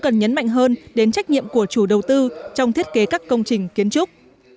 cần nhấn mạnh hơn đến trách nhiệm của chủ đầu tư trong thiết kế các công trình kiến trúc